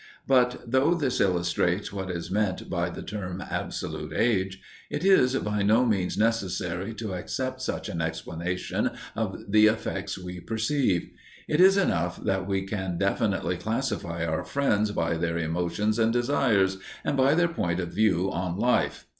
But, though this illustrates what is meant by the term Absolute Age, it is by no means necessary to accept such an explanation of the effects we perceive. It is enough that we can definitely classify our friends by their emotions and desires, and by their point of view on life.